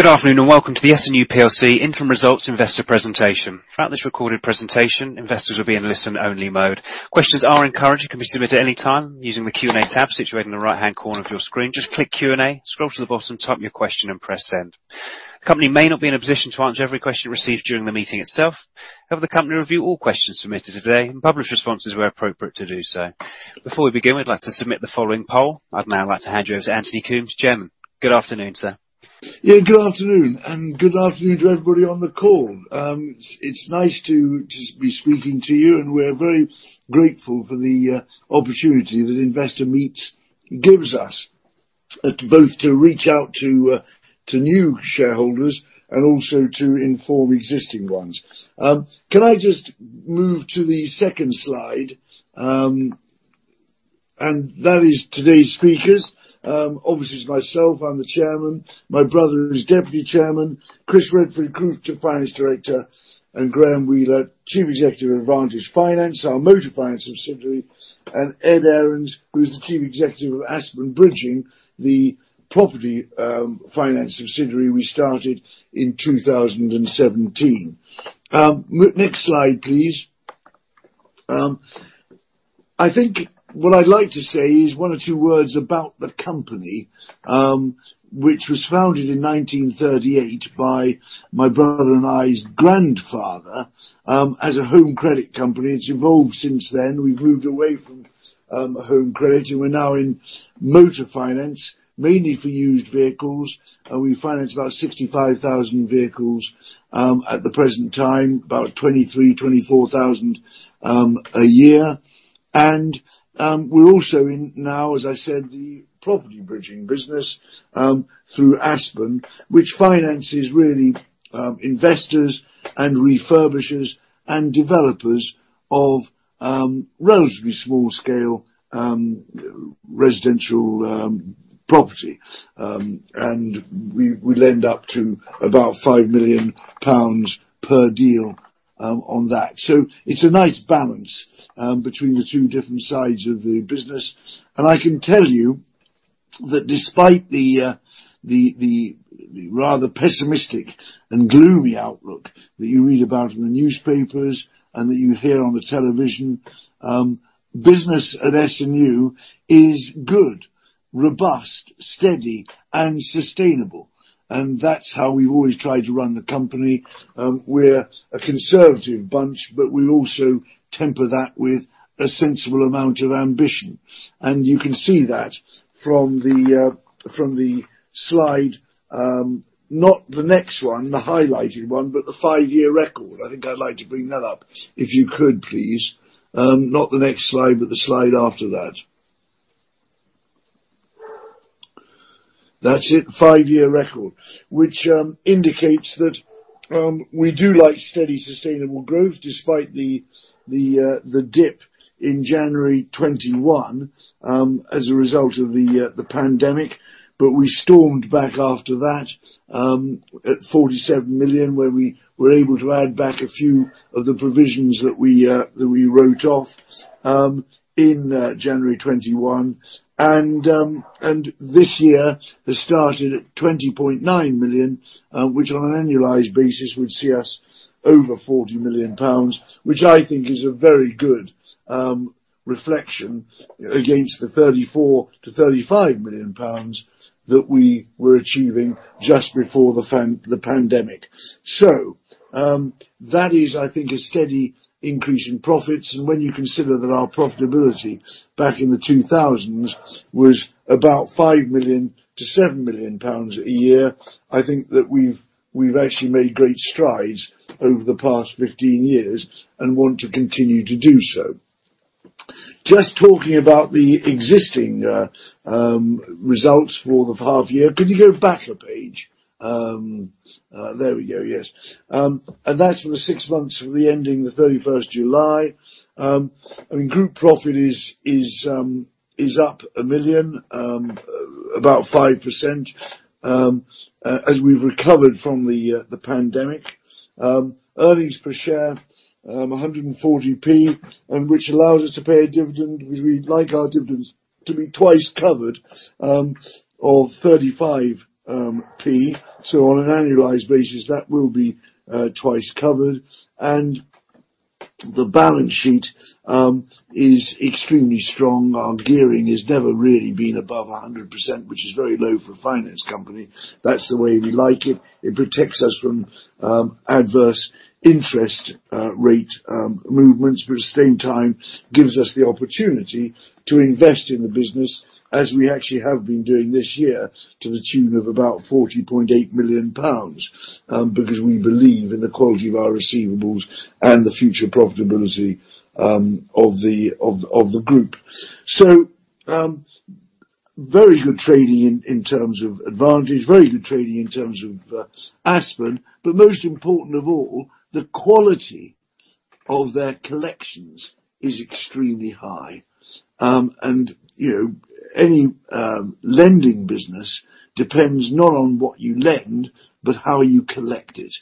Good afternoon, and welcome to the S&U plc Interim Results Investor Presentation. Throughout this recorded presentation, investors will be in listen-only mode. Questions are encouraged and can be submitted at any time using the Q&A tab situated in the right-hand corner of your screen. Just click Q&A, scroll to the bottom, type your question and press send. The company may not be in a position to answer every question received during the meeting itself. However, the company will review all questions submitted today and publish responses where appropriate to do so. Before we begin, we'd like to submit the following poll. I'd now like to hand you over to Anthony Coombs, Chairman. Good afternoon, sir. Yeah, good afternoon, and good afternoon to everybody on the call. It's nice to be speaking to you, and we're very grateful for the opportunity that Investor Meet gives us both to reach out to new shareholders and also to inform existing ones. Can I just move to the second slide? That is today's speakers. Obviously it's myself, I'm the chairman. My brother, who's deputy chairman, Chris Redford, Group Finance Director, and Graham Wheeler, Chief Executive of Advantage Finance, our motor finance subsidiary, and Ed Ahrens, who is the Chief Executive of Aspen Bridging, the property finance subsidiary we started in 2017. Next slide, please. I think what I'd like to say is one or two words about the company, which was founded in 1938 by my brother and I's grandfather, as a home credit company. It's evolved since then. We've moved away from home credit, and we're now in motor finance, mainly for used vehicles, and we finance about 65,000 vehicles at the present time, about 23,000-24,000 a year. We're also in now, as I said, the property bridging business through Aspen, which finances really investors and refurbishers and developers of relatively small scale residential property. We lend up to about 5 million pounds per deal on that. It's a nice balance between the two different sides of the business. I can tell you that despite the rather pessimistic and gloomy outlook that you read about in the newspapers and that you hear on the television, business at S&U is good, robust, steady and sustainable. That's how we've always tried to run the company. We're a conservative bunch, but we also temper that with a sensible amount of ambition. You can see that from the slide, not the next one, the highlighted one, but the five-year record. I think I'd like to bring that up if you could, please. Not the next slide, but the slide after that. That's it, five-year record, which indicates that we do like steady, sustainable growth despite the dip in January 2021, as a result of the pandemic. We stormed back after that, at 47 million, where we were able to add back a few of the provisions that we wrote off in January 2021. This year has started at 20.9 million, which on an annualized basis would see us over 40 million pounds, which I think is a very good reflection against the 34-35 million pounds that we were achieving just before the pandemic. That is, I think, a steady increase in profits. When you consider that our profitability back in the 2000s was about 5-7 million pounds a year, I think that we've actually made great strides over the past 15 years and want to continue to do so. Just talking about the existing results for the half year. Could you go back a page? There we go. Yes. That's for the six months ending 31 July. I mean, group profit is up 1 million about 5% as we've recovered from the pandemic. Earnings per share 140p, and which allows us to pay a dividend. We like our dividends to be twice covered of 35p. On an annualized basis, that will be twice covered. The balance sheet is extremely strong. Our gearing has never really been above 100%, which is very low for a finance company. That's the way we like it. It protects us from adverse interest rate movements, but at the same time gives us the opportunity to invest in the business as we actually have been doing this year to the tune of about 40.8 million pounds, because we believe in the quality of our receivables and the future profitability of the group. Very good trading in terms of Advantage, very good trading in terms of Aspen, but most important of all, the quality of their collections is extremely high. You know, any lending business depends not on what you lend, but how you collect it.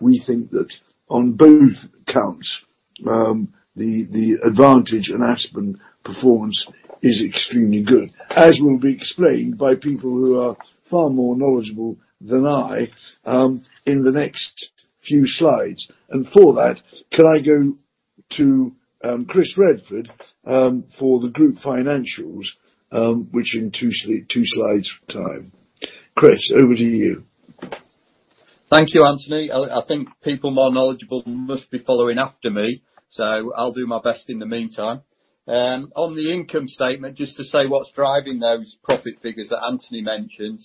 We think that on both counts the Advantage and Aspen performance is extremely good, as will be explained by people who are far more knowledgeable than I in the next few slides. For that, can I go to Chris Redford for the group financials, which in two slides time. Chris, over to you. Thank you, Anthony. I think people more knowledgeable must be following after me, so I'll do my best in the meantime. On the income statement, just to say what's driving those profit figures that Anthony mentioned.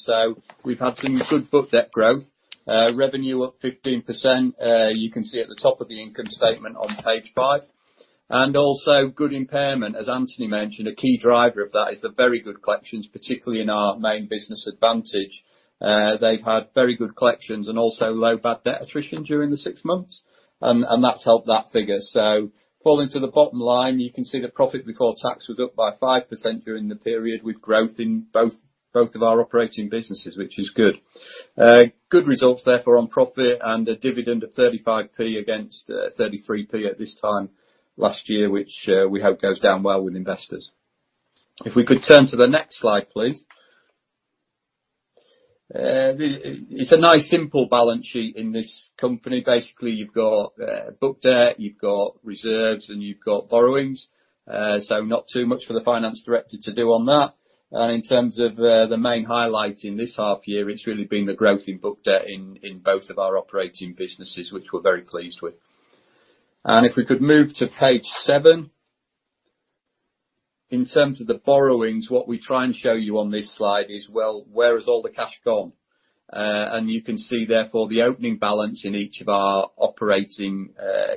We've had some good book debt growth, revenue up 15%, you can see at the top of the income statement on page five. Also good impairment, as Anthony mentioned, a key driver of that is the very good collections, particularly in our main business Advantage. They've had very good collections and also low bad debt attrition during the 6 months, and that's helped that figure. Falling to the bottom line, you can see the profit before tax was up by 5% during the period with growth in both of our operating businesses, which is good. Good results therefore on profit and a dividend of 35p against 33p at this time last year, which we hope goes down well with investors. If we could turn to the next slide, please. It's a nice simple balance sheet in this company. Basically, you've got book debt, you've got reserves, and you've got borrowings. Not too much for the finance director to do on that. In terms of the main highlight in this half year, it's really been the growth in book debt in both of our operating businesses, which we're very pleased with. If we could move to page seven. In terms of the borrowings, what we try and show you on this slide is, well, where has all the cash gone? You can see therefore the opening balance in each of our operating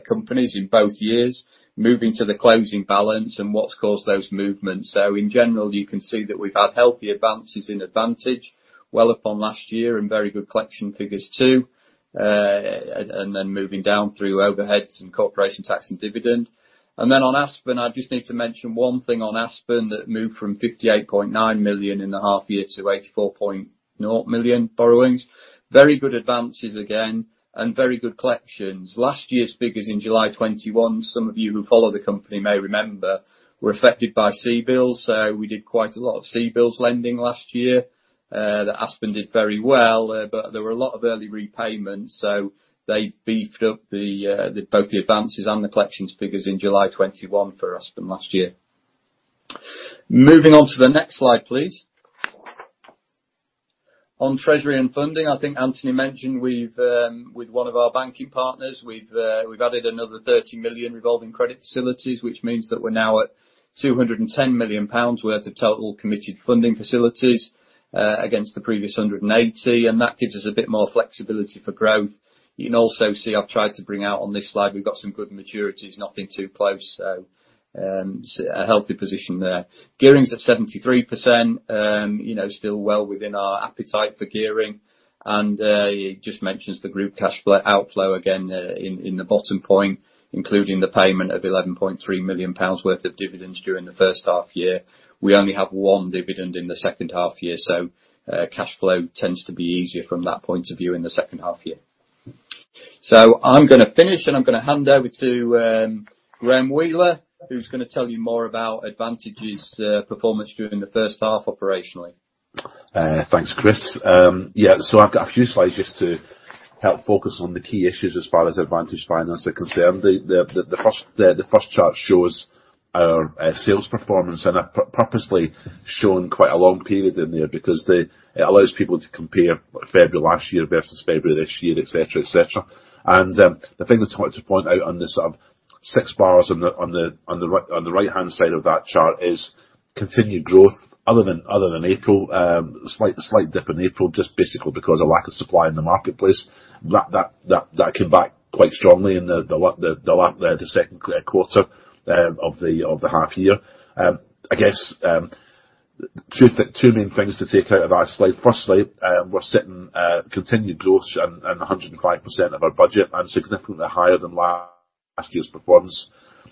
companies in both years, moving to the closing balance and what's caused those movements. In general, you can see that we've had healthy advances in Advantage, well up on last year and very good collection figures too. Then moving down through overheads and corporation tax and dividend. Then on Aspen, I just need to mention one thing on Aspen that moved from 58.9 million in the half year to 84.0 million borrowings. Very good advances again and very good collections. Last year's figures in July 2021, some of you who follow the company may remember, were affected by CBILS. We did quite a lot of CBILS lending last year, that Aspen did very well, but there were a lot of early repayments, so they beefed up both the advances and the collections figures in July 2021 for Aspen last year. Moving on to the next slide, please. On treasury and funding, I think Anthony mentioned we've with one of our banking partners, we've added another 30 million revolving credit facilities, which means that we're now at 210 million pounds worth of total committed funding facilities, against the previous 180 million, and that gives us a bit more flexibility for growth. You can also see, I've tried to bring out on this slide, we've got some good maturities, nothing too close, so a healthy position there. Gearing's at 73%, you know, still well within our appetite for gearing. He just mentions the group cash outflow again in the bottom point, including the payment of 11.3 million pounds worth of dividends during the first half year. We only have one dividend in the second half year, cash flow tends to be easier from that point of view in the second half year. I'm gonna finish, and I'm gonna hand over to Graham Wheeler, who's gonna tell you more about Advantage's performance during the first half operationally. Thanks, Chris. I've got a few slides just to help focus on the key issues as far as Advantage Finance are concerned. The first chart shows our sales performance, and I've purposely shown quite a long period in there because it allows people to compare February last year versus February this year, et cetera, et cetera. The thing I just wanted to point out on this six bars on the right-hand side of that chart is continued growth other than April. Slight dip in April, just basically because of lack of supply in the marketplace. That came back quite strongly in the second quarter of the half year. I guess, two main things to take out of that slide. Firstly, we're seeing continued growth and 105% of our budget, and significantly higher than last year's performance.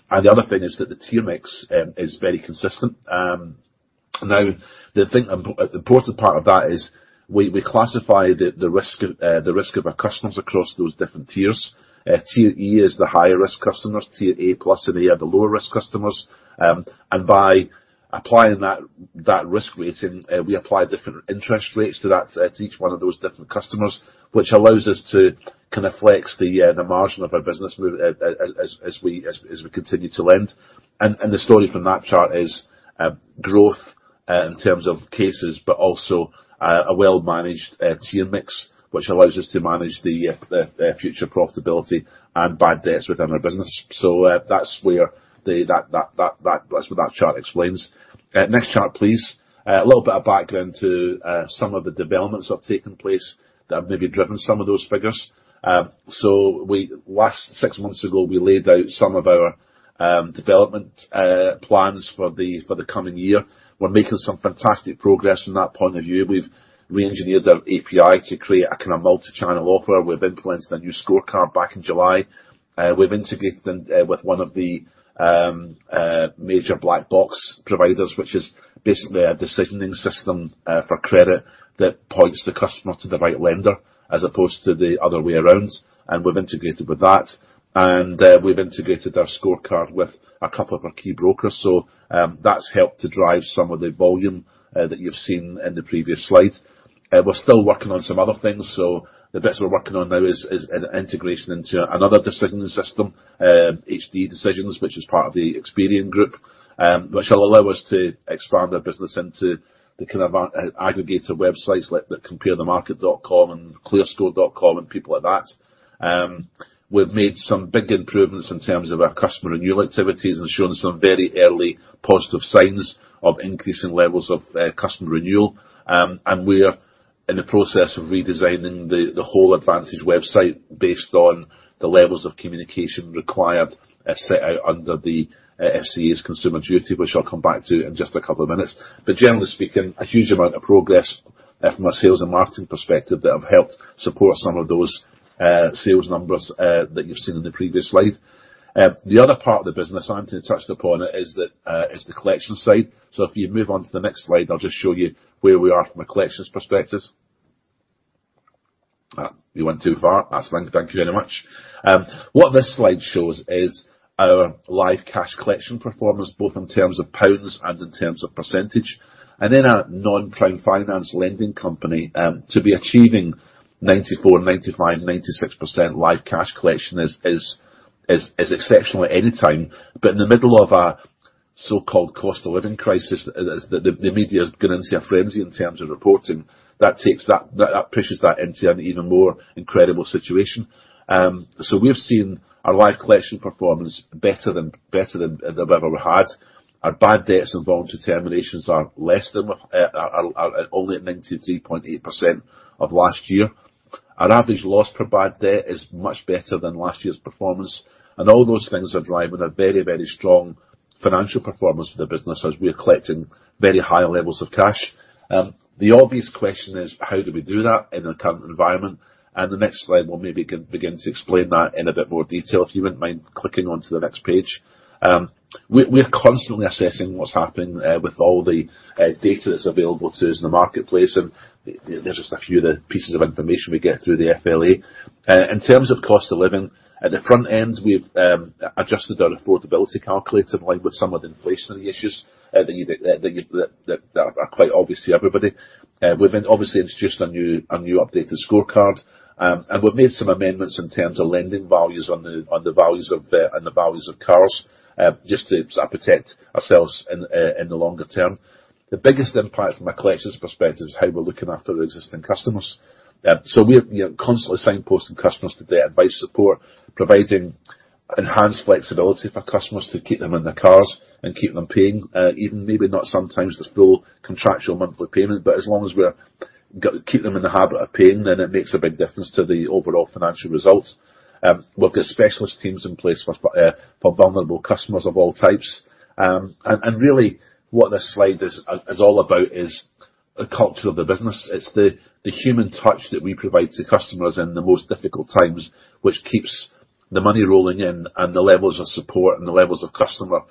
The other thing is that the tier mix is very consistent. Now, the important part of that is we classify the risk of our customers across those different tiers. Tier E is the higher risk customers, Tier A+ and A are the lower risk customers. By applying that risk rating, we apply different interest rates to each one of those different customers, which allows us to kind of flex the margin of our business, as we continue to lend. The story from that chart is growth in terms of cases, but also a well-managed tier mix, which allows us to manage the future profitability and bad debts within our business. That's what that chart explains. Next chart, please. A little bit of background to some of the developments that have taken place that have maybe driven some of those figures. Last six months ago, we laid out some of our development plans for the coming year. We're making some fantastic progress from that point of view. We've reengineered our API to create a kinda multichannel offer. We've introduced a new scorecard back in July. We've integrated them with one of the major black box providers, which is basically a decisioning system for credit that points the customer to the right lender as opposed to the other way around, and we've integrated with that. We've integrated our scorecard with a couple of our key brokers. That's helped to drive some of the volume that you've seen in the previous slide. We're still working on some other things, so the bits we're working on now is an integration into another decisioning system, HD Decisions, which is part of the Experian Group. Which will allow us to expand our business into the kind of aggregator websites like the comparethemarket.com and ClearScore.com and people like that. We've made some big improvements in terms of our customer renewal activities and shown some very early positive signs of increasing levels of customer renewal. We are in the process of redesigning the whole Advantage website based on the levels of communication required as set out under the FCA's Consumer Duty, which I'll come back to in just a couple of minutes. Generally speaking, a huge amount of progress from a sales and marketing perspective that have helped support some of those sales numbers that you've seen in the previous slide. The other part of the business Anthony touched upon is the collection side. If you move on to the next slide, I'll just show you where we are from a collections perspective. You went too far. That's thank you very much. What this slide shows is our live cash collection performance, both in terms of pounds and in terms of percentage. In a non-prime finance lending company, to be achieving 94%, 95%, 96% live cash collection is exceptional at any time. In the middle of a so-called cost of living crisis, as the media has gone into a frenzy in terms of reporting, that pushes that into an even more incredible situation. We've seen our live collection performance better than they've ever had. Our bad debts and voluntary terminations are only at 93.8% of last year. Our average loss per bad debt is much better than last year's performance. All those things are driving a very, very strong financial performance for the business as we are collecting very high levels of cash. The obvious question is, how do we do that in the current environment? The next slide will maybe begin to explain that in a bit more detail, if you wouldn't mind clicking onto the next page. We are constantly assessing what's happening with all the data that's available to us in the marketplace. There's just a few of the pieces of information we get through the FLA. In terms of cost of living, at the front end, we've adjusted our affordability calculator in line with some of the inflationary issues that are quite obvious to everybody. We've then obviously introduced a new updated scorecard. We've made some amendments in terms of lending values on the values of cars, just to protect ourselves in the longer term. The biggest impact from a collections perspective is how we're looking after our existing customers. We're, you know, constantly signposting customers to their advice support, providing enhanced flexibility for customers to keep them in their cars and keep them paying, even maybe not sometimes the full contractual monthly payment, but as long as we're keep them in the habit of paying, then it makes a big difference to the overall financial results. We've got specialist teams in place for vulnerable customers of all types. Really what this slide is all about is the culture of the business. It's the human touch that we provide to customers in the most difficult times, which keeps the money rolling in and the levels of support and the levels of customer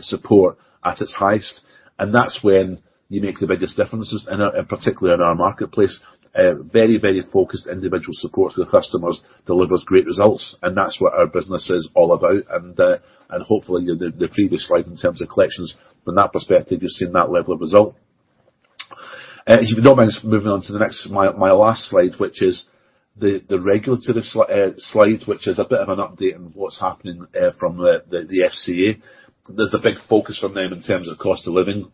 support at its highest. That's when you make the biggest differences, particularly in our marketplace. Very focused individual support to the customers delivers great results, and that's what our business is all about. Hopefully, the previous slide in terms of collections from that perspective, you've seen that level of result. If you don't mind moving on to the next, my last slide, which is the regulatory slide, which is a bit of an update on what's happening from the FCA. There's a big focus from them in terms of cost of living.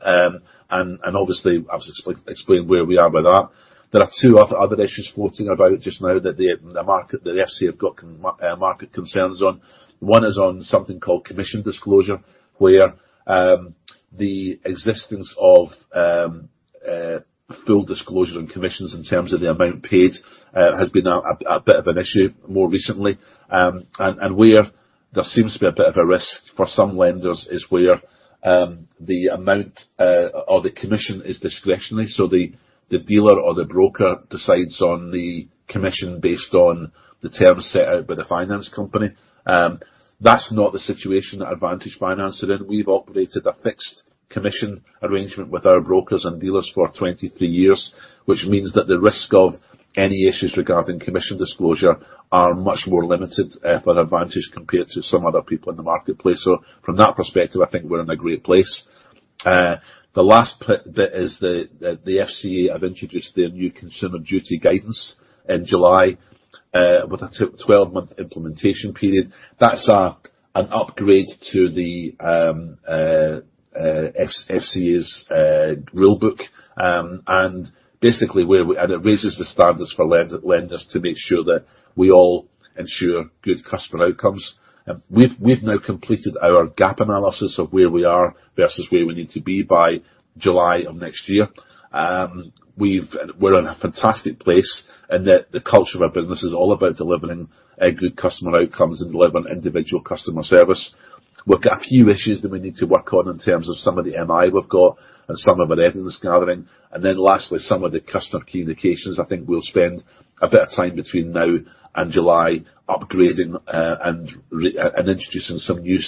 Obviously, I've explained where we are with that. There are two other issues floating about just now that the market, the FCA have got market concerns on. One is on something called commission disclosure, where the existence of full disclosure on commissions in terms of the amount paid has been a bit of an issue more recently. Where there seems to be a bit of a risk for some lenders is where the amount or the commission is discretionary. The dealer or the broker decides on the commission based on the terms set out by the finance company. That's not the situation at Advantage Finance today. We've operated a fixed commission arrangement with our brokers and dealers for 23 years, which means that the risk of any issues regarding commission disclosure are much more limited for Advantage compared to some other people in the marketplace. From that perspective, I think we're in a great place. The last bit is the FCA have introduced their new Consumer Duty guidance in July with a 12-month implementation period. That's an upgrade to the FCA's rule book. It raises the standards for lenders to make sure that we all ensure good customer outcomes. We've now completed our gap analysis of where we are versus where we need to be by July of next year. We're in a fantastic place in that the culture of our business is all about delivering good customer outcomes and delivering individual customer service. We've got a few issues that we need to work on in terms of some of the MI we've got and some of our evidence gathering. Then lastly, some of the customer communications. I think we'll spend a bit of time between now and July upgrading and introducing some new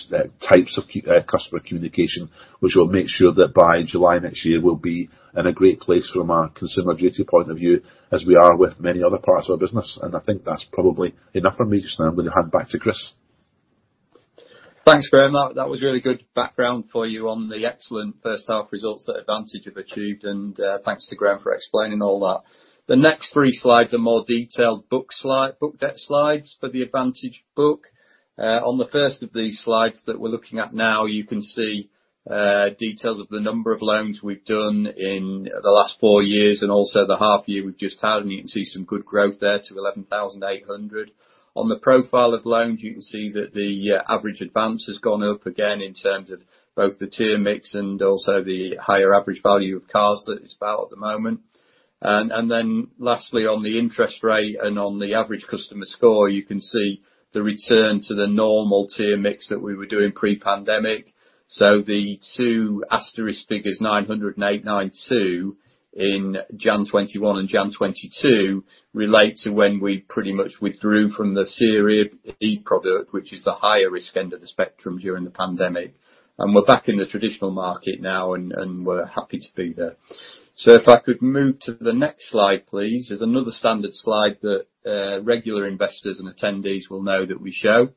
types of customer communication, which will make sure that by July next year, we'll be in a great place from a Consumer Duty point of view as we are with many other parts of our business. I think that's probably enough from me just now. I'm gonna hand back to Chris. Thanks, Graham. That was really good background for you on the excellent first half results that Advantage have achieved. Thanks to Graham for explaining all that. The next three slides are more detailed book debt slides for the Advantage book. On the first of these slides that we're looking at now, you can see details of the number of loans we've done in the last four years and also the half year we've just had, and you can see some good growth there to 11,800. On the profile of loans, you can see that the average advance has gone up again in terms of both the tier mix and also the higher average value of cars that's about it at the moment. Lastly, on the interest rate and on the average customer score, you can see the return to the normal tier mix that we were doing pre-pandemic. The two asterisk figures, 9.08% and 9.2% in January 2021 and January 2022 relate to when we pretty much withdrew from the Tier E product, which is the higher risk end of the spectrum during the pandemic. We're back in the traditional market now, and we're happy to be there. If I could move to the next slide, please. There's another standard slide that regular investors and attendees will know that we show.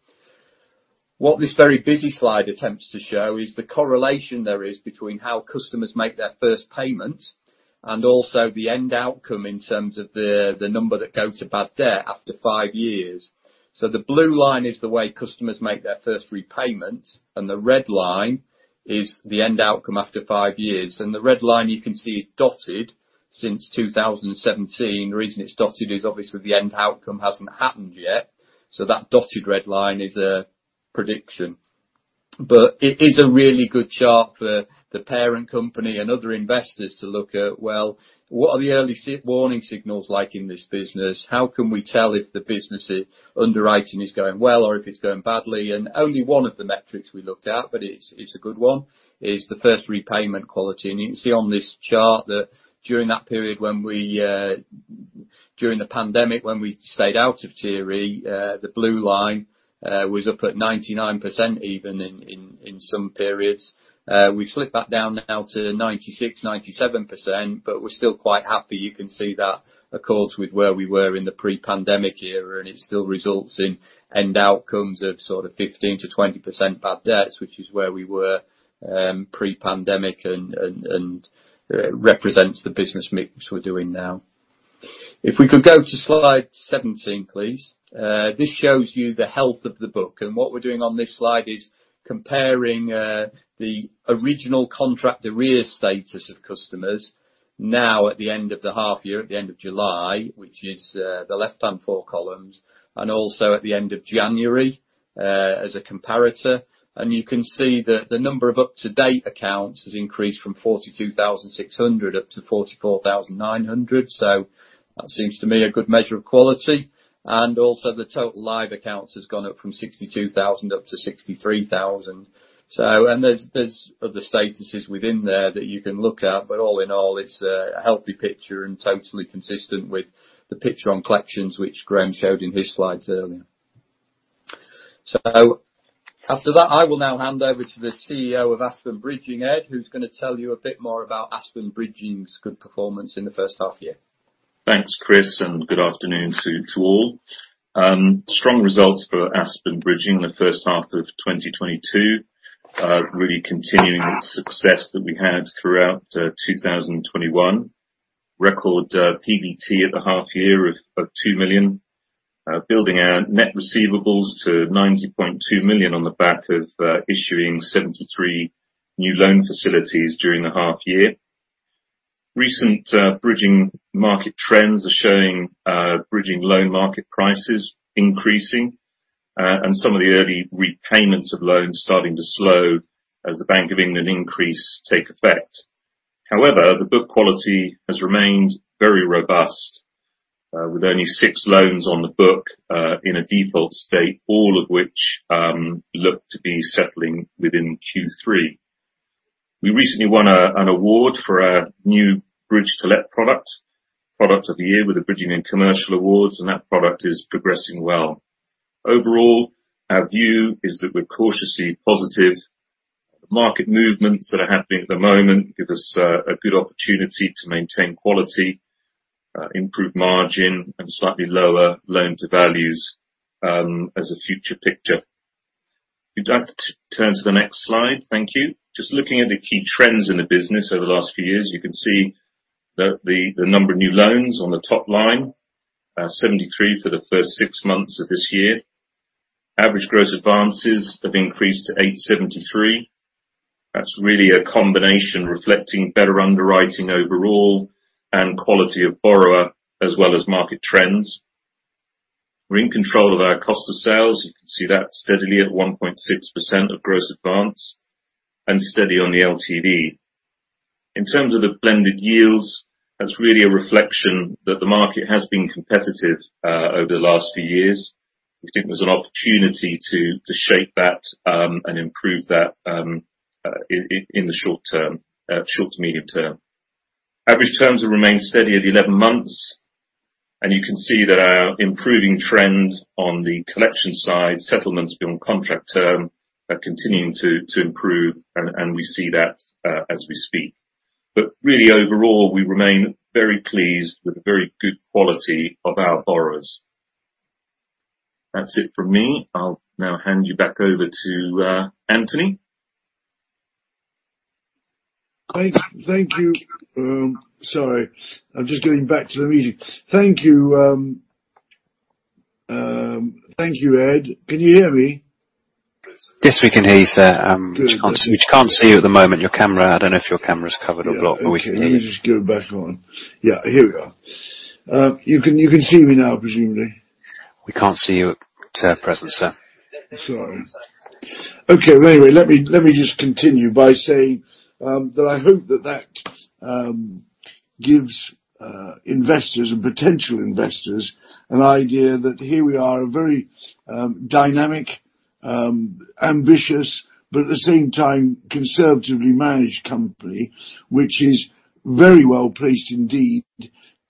What this very busy slide attempts to show is the correlation there is between how customers make their first payment and also the end outcome in terms of the number that go to bad debt after five years. The blue line is the way customers make their first repayment, and the red line is the end outcome after five years. The red line you can see is dotted since 2017. The reason it's dotted is obviously the end outcome hasn't happened yet. That dotted red line is a prediction. It is a really good chart for the parent company and other investors to look at, well, what are the early warning signals like in this business? How can we tell if the business underwriting is going well or if it's going badly? Only one of the metrics we looked at, but it's a good one, is the first repayment quality. You can see on this chart that during the pandemic when we stayed out of tier E, the blue line was up at 99% even in some periods. We've slipped back down now to 96%-97%, but we're still quite happy. You can see that accords with where we were in the pre-pandemic era, and it still results in end outcomes of sort of 15%-20% bad debts, which is where we were pre-pandemic and represents the business mix we're doing now. If we could go to slide 17, please. This shows you the health of the book. What we're doing on this slide is comparing the original contract arrears status of customers now at the end of the half year, at the end of July, which is the left-hand four columns, and also at the end of January as a comparator. You can see that the number of up-to-date accounts has increased from 42,600 up to 44,900. That seems to me a good measure of quality. The total live accounts has gone up from 62,000 up to 63,000. There's other statuses within there that you can look at, but all in all, it's a healthy picture and totally consistent with the picture on collections, which Graham showed in his slides earlier. After that, I will now hand over to the CEO of Aspen Bridging, Ed, who's gonna tell you a bit more about Aspen Bridging's good performance in the first half year. Thanks, Chris, and good afternoon to all. Strong results for Aspen Bridging in the first half of 2022, really continuing success that we had throughout 2021. Record PBT at the half year of 2 million, building our net receivables to 90.2 million on the back of issuing 73 new loan facilities during the half year. Recent bridging market trends are showing bridging loan market prices increasing and some of the early repayments of loans starting to slow as the Bank of England increases take effect. However, the book quality has remained very robust, with only six loans on the book in a default state, all of which look to be settling within Q3. We recently won an award for our new Bridge To Let product, Product of the Year with the Bridging & Commercial Awards, and that product is progressing well. Overall, our view is that we're cautiously positive. Market movements that are happening at the moment give us a good opportunity to maintain quality, improve margin, and slightly lower loan-to-values, as a future picture. If you'd like to turn to the next slide. Thank you. Just looking at the key trends in the business over the last few years, you can see the number of new loans on the top line, 73 for the first six months of this year. Average gross advances have increased to 873. That's really a combination reflecting better underwriting overall and quality of borrower, as well as market trends. We're in control of our cost of sales. You can see that steadily at 1.6% of gross advance and steady on the LTV. In terms of the blended yields, that's really a reflection that the market has been competitive over the last few years. We think there's an opportunity to shape that and improve that in the short term, short to medium term. Average terms have remained steady at 11 months, and you can see that our improving trend on the collection side, settlements beyond contract term are continuing to improve, and we see that as we speak. Really overall, we remain very pleased with the very good quality of our borrowers. That's it from me. I'll now hand you back over to Anthony. Thank you. Sorry, I'm just getting back to the meeting. Thank you, Ed. Can you hear me? Yes. Yes, we can hear you, sir. We just can't. Good. We just can't see you at the moment. Your camera, I don't know if your camera's covered or blocked, but we can hear you. Let me just get it back on. Yeah, here we are. You can see me now, presumably? We can't see you at present, sir. Sorry. Okay. Well, anyway, let me just continue by saying that I hope that gives investors and potential investors an idea that here we are, a very dynamic, ambitious, but at the same time, conservatively managed company, which is very well-placed indeed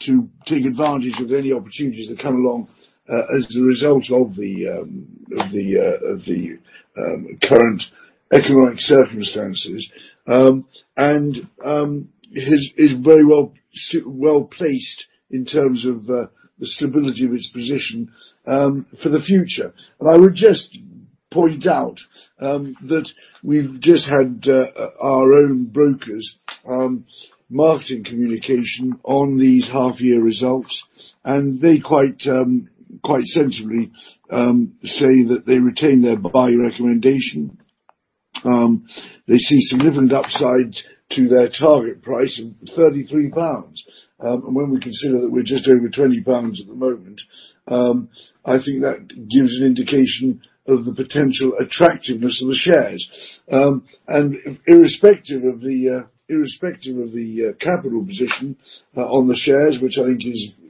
to take advantage of any opportunities that come along as a result of the current economic circumstances and is very well-placed in terms of the stability of its position for the future. I would just point out that we've just had our own brokers marketing communication on these half-year results, and they quite sensibly say that they retain their buy recommendation. They see significant upside to their target price of 33 pounds. When we consider that we're just over 20 pounds at the moment, I think that gives an indication of the potential attractiveness of the shares. Irrespective of the capital position on the shares, which I think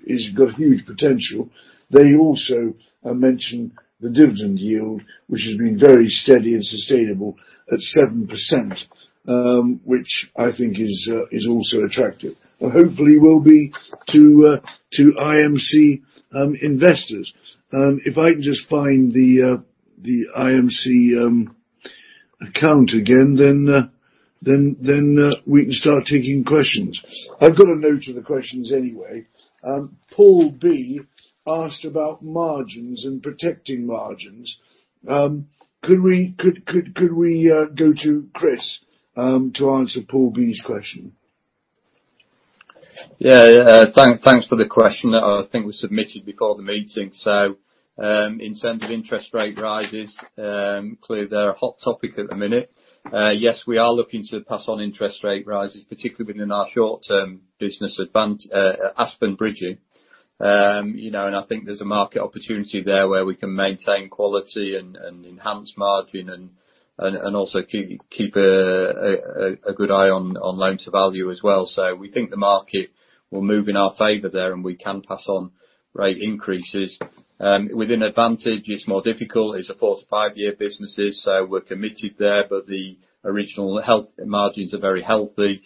is got huge potential, they also mention the dividend yield, which has been very steady and sustainable at 7%, which I think is also attractive, or hopefully will be to IMC investors. If I can just find the IMC account again, then we can start taking questions. I've got a note of the questions anyway. Paul B asked about margins and protecting margins. Could we go to Chris to answer Paul B's question? Yeah. Thanks for the question. I think it was submitted before the meeting. In terms of interest rate rises, clearly they're a hot topic at the minute. Yes, we are looking to pass on interest rate rises, particularly within our short-term business Aspen Bridging. You know, I think there's a market opportunity there where we can maintain quality and enhance margin and also keep a good eye on loan-to-value as well. We think the market will move in our favor there, and we can pass on rate increases. Within Advantage, it's more difficult. It's a 4-5 year business, so we're committed there. The original healthy margins are very healthy.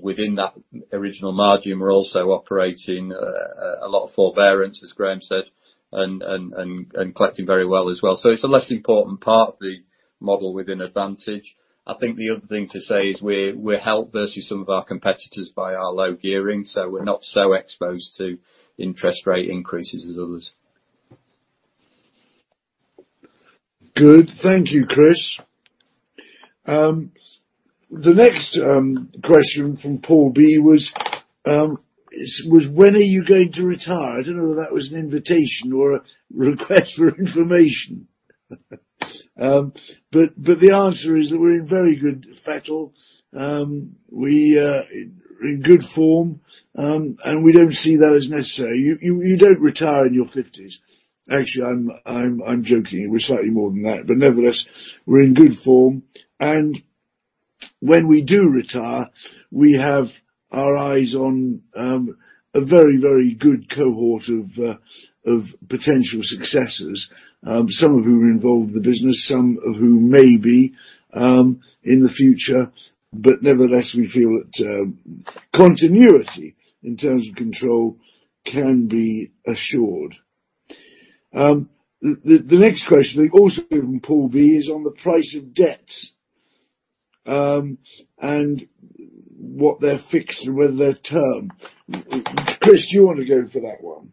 Within that original margin, we're also operating a lot of forbearance, as Graham said, and collecting very well as well. It's a less important part of the model within Advantage. I think the other thing to say is we're helped versus some of our competitors by our low gearing, so we're not so exposed to interest rate increases as others. Good. Thank you, Chris. The next question from Paul B was when are you going to retire? I don't know whether that was an invitation or a request for information. But the answer is that we're in very good fettle. We are in good form. We don't see that as necessary. You don't retire in your fifties. Actually, I'm joking. We're slightly more than that, but nevertheless, we're in good form. When we do retire, we have our eyes on a very, very good cohort of potential successors, some of whom are involved in the business, some of who may be in the future. Nevertheless, we feel that continuity in terms of control can be assured. The next question, also from Paul B, is on the price of debt, and what the fixed and what the term. Chris, do you wanna go for that one?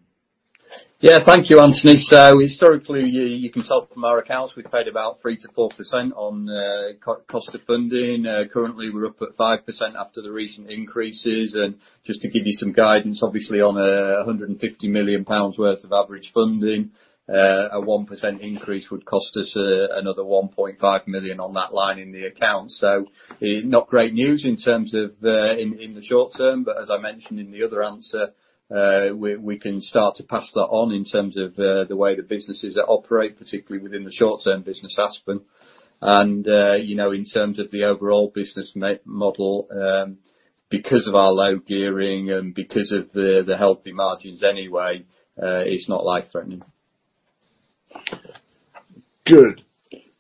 Yeah. Thank you, Anthony. Historically, you can tell from our accounts we paid about 3%-4% on cost of funding. Currently, we're up at 5% after the recent increases. Just to give you some guidance, obviously, on 150 million pounds worth of average funding, a 1% increase would cost us another 1.5 million on that line in the account. Not great news in terms of in the short term, but as I mentioned in the other answer, we can start to pass that on in terms of the way the businesses operate, particularly within the short-term business, Aspen. You know, in terms of the overall business model, because of our low gearing and because of the healthy margins anyway, it's not life-threatening. Good.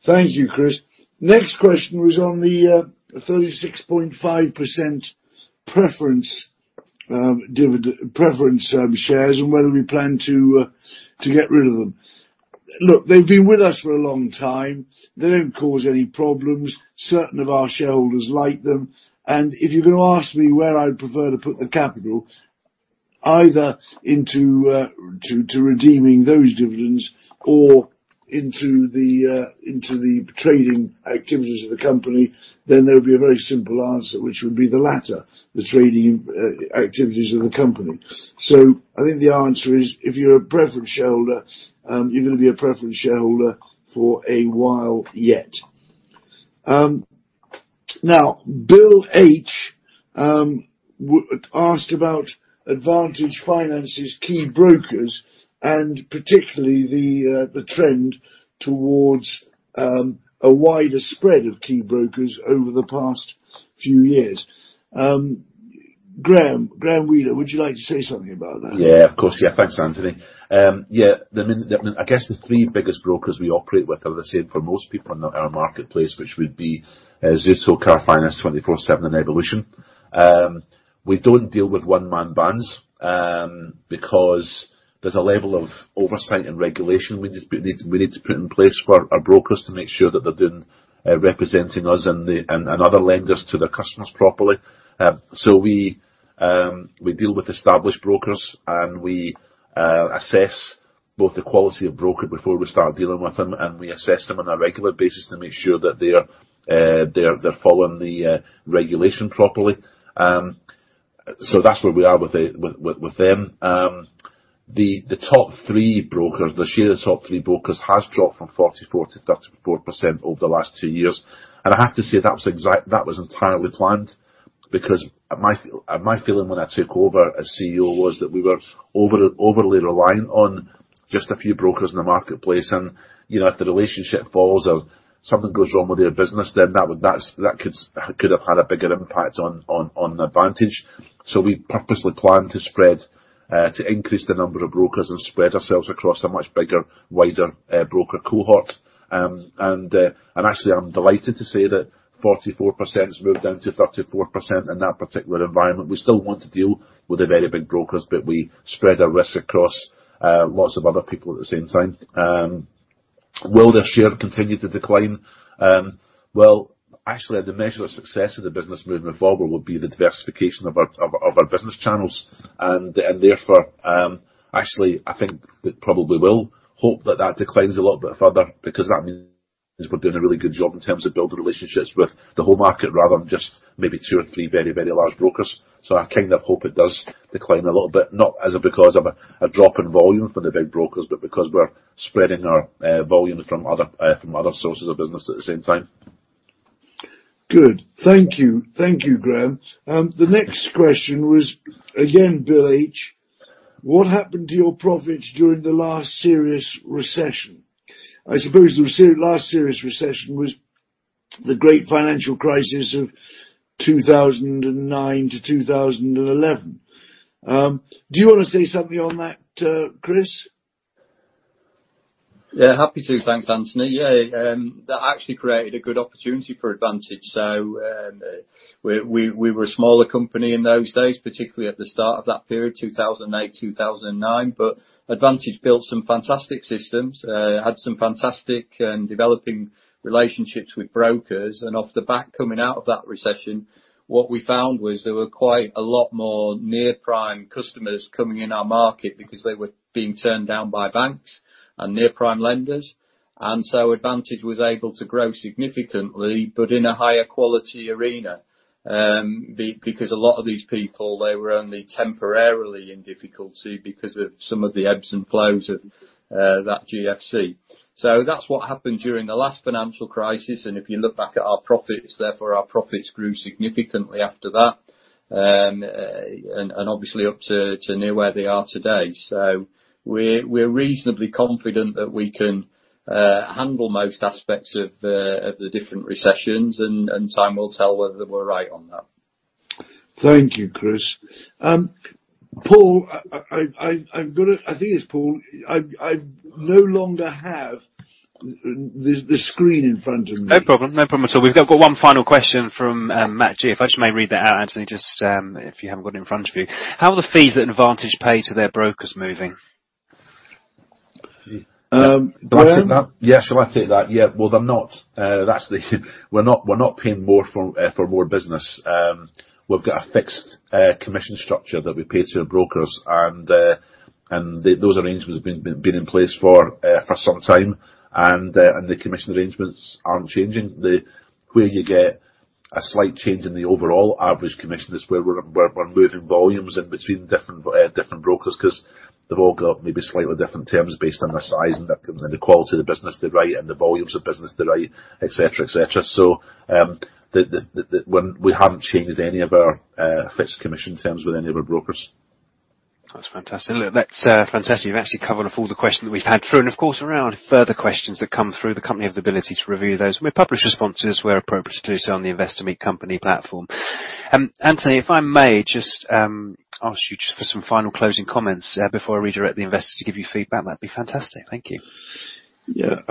Thank you, Chris. Next question was on the 36.5% preference shares, and whether we plan to get rid of them. Look, they've been with us for a long time. They don't cause any problems. Certain of our shareholders like them. If you're gonna ask me where I'd prefer to put the capital, either into redeeming those dividends or into the trading activities of the company, then there would be a very simple answer, which would be the latter, the trading activities of the company. I think the answer is, if you're a preference shareholder, you're gonna be a preference shareholder for a while yet. Now, Bill H asked about Advantage Finance's key brokers, and particularly the trend towards a wider spread of key brokers over the past few years. Graham Wheeler, would you like to say something about that? Yeah. Of course, yeah. Thanks, Anthony. Yeah, the main I guess the three biggest brokers we operate with are the same for most people in our marketplace, which would be Zuto, Car Finance 247, and Evolution Funding. We don't deal with one-man bands because there's a level of oversight and regulation we just need to put in place for our brokers to make sure that they're representing us and other lenders to their customers properly. We deal with established brokers, and we assess both the quality of broker before we start dealing with them, and we assess them on a regular basis to make sure that they're following the regulation properly. That's where we are with them. The top three brokers, the share of top three brokers has dropped from 44% to 34% over the last two years. I have to say that was entirely planned because my feeling when I took over as CEO was that we were overly reliant on just a few brokers in the marketplace and, you know, if the relationship falls or something goes wrong with their business, then that could have had a bigger impact on Advantage. We purposely planned to spread to increase the number of brokers and spread ourselves across a much bigger, wider broker cohort. Actually, I'm delighted to say that 44% has moved down to 34% in that particular environment. We still want to deal with the very big brokers, but we spread our risk across lots of other people at the same time. Will their share continue to decline? Well, actually the measure of success of the business moving forward will be the diversification of our business channels and therefore, actually I think it probably will. Hope that declines a little bit further because that means we're doing a really good job in terms of building relationships with the whole market rather than just maybe two or three very, very large brokers. I kind of hope it does decline a little bit, not because of a drop in volume for the big brokers, but because we're spreading our volume from other sources of business at the same time. Good. Thank you. Thank you, Graham. The next question was again, Bill H. What happened to your profits during the last serious recession? I suppose the last serious recession was the great financial crisis of 2009-2011. Do you wanna say something on that, Chris? Yeah, happy to. Thanks, Anthony. Yeah, that actually created a good opportunity for Advantage. We were a smaller company in those days, particularly at the start of that period, 2008, 2009. Advantage built some fantastic systems, had some fantastic developing relationships with brokers. Off the back coming out of that recession, what we found was there were quite a lot more near-prime customers coming in our market because they were being turned down by banks and near-prime lenders. Advantage was able to grow significantly but in a higher quality arena. Because a lot of these people, they were only temporarily in difficulty because of some of the ebbs and flows of that GFC. That's what happened during the last financial crisis, and if you look back at our profits, therefore our profits grew significantly after that and obviously up to near where they are today. We're reasonably confident that we can handle most aspects of the different recessions, and time will tell whether we're right on that. Thank you, Chris. Paul, I'm gonna. I think it's Paul. I no longer have the screen in front of me. No problem. No problem at all. We've got one final question from Matt G. If I just may read that out, Anthony, just, if you haven't got it in front of you. How are the fees that Advantage pay to their brokers moving? Shall I take that? Graham? Yeah, shall I take that? Yeah. Well, they're not. We're not paying more for more business. We've got a fixed commission structure that we pay to our brokers and those arrangements have been in place for some time. The commission arrangements aren't changing. Where you get a slight change in the overall average commission is where we're moving volumes in between different brokers, 'cause they've all got maybe slightly different terms based on the size and the quality of the business they write and the volumes of business they write, et cetera. We haven't changed any of our fixed commission terms with any of our brokers. That's fantastic. Look, that's fantastic. You've actually covered off all the questions we've had through. Of course, around further questions that come through, the company have the ability to review those. We publish responses where appropriate to do so on the Investor Meet Company platform. Anthony, if I may just ask you just for some final closing comments, before I redirect the investors to give you feedback, that'd be fantastic. Thank you. Yeah.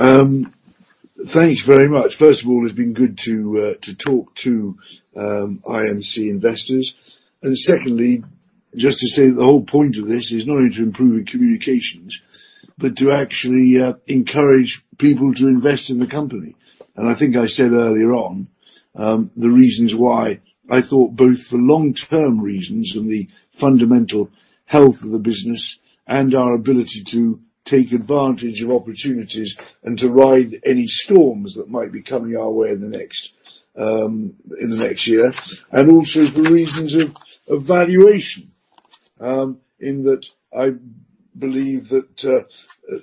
Thanks very much. First of all, it's been good to talk to IMC investors. Secondly, just to say that the whole point of this is not only to improve the communications but to actually encourage people to invest in the company. I think I said earlier on the reasons why I thought both for long-term reasons and the fundamental health of the business and our ability to take advantage of opportunities and to ride any storms that might be coming our way in the next year. Also for reasons of valuation in that I believe that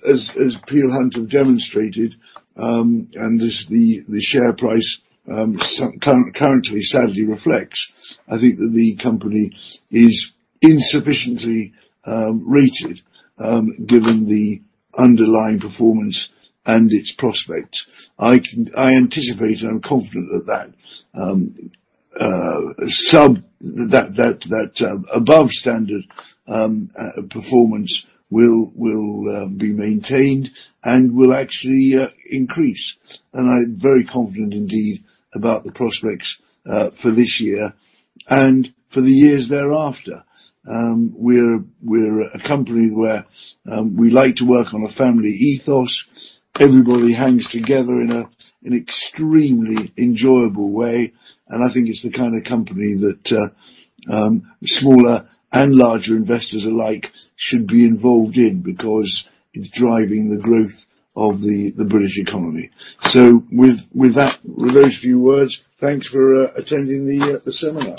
as Peel Hunt have demonstrated and as the share price currently sadly reflects, I think that the company is insufficiently rated given the underlying performance and its prospects. I anticipate and I'm confident that that above standard performance will be maintained and will actually increase. I'm very confident indeed about the prospects for this year and for the years thereafter. We're a company where we like to work on a family ethos. Everybody hangs together in an extremely enjoyable way. I think it's the kind of company that smaller and larger investors alike should be involved in because it's driving the growth of the British economy. With that, with those few words, thanks for attending the seminar.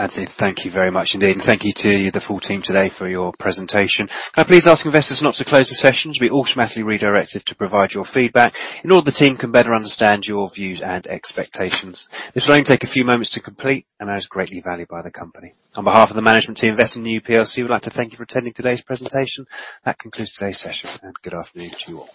Anthony, thank you very much indeed. Thank you to the full team today for your presentation. Can I please ask investors not to close the session as you'll be automatically redirected to provide your feedback in order that the team can better understand your views and expectations. This will only take a few moments to complete and is greatly valued by the company. On behalf of the management team at Investor Meet Company, we'd like to thank you for attending today's presentation. That concludes today's session, and good afternoon to you all.